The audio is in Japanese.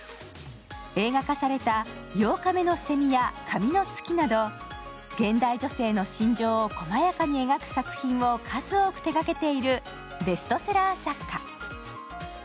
映画化された「八日目の蝉」や「紙の月」など現代女性の心情を細やかに描く作品を数多く手がけているベストセラー作家。